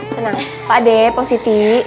tenang pak adek positi